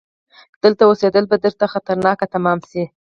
دلته اوسيدل به درته خطرناک تمام شي!